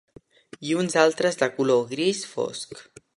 I uns altres de color gris fosc